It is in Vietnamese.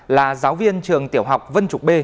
là giáo viên trường tiểu học vân trục b